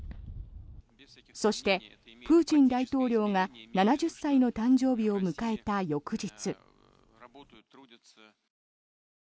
そして、プーチン大統領が７０歳の誕生日を迎えた翌日。